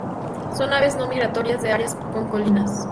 Son aves no migratorias de áreas con colinas.